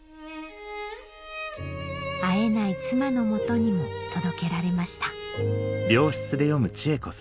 会えない妻の元にも届けられました